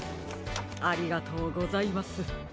ありがとうございます。